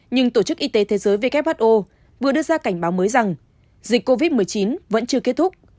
nhưng tổ chức y tế thế giới who vừa đưa ra cảnh báo mới rằng dịch covid một mươi chín vẫn chưa kết thúc